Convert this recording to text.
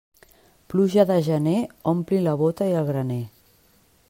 Pluja de gener ompli la bóta i el graner.